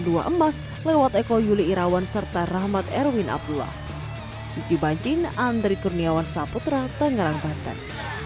dua emas lewat eko yuli irawan serta rahmat erwin abdullah suci bancin andri kurniawan saputra tangerang banten